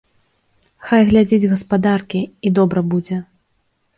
Хай глядзіць гаспадаркі, і добра будзе.